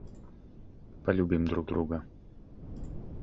Полюбим друг друга.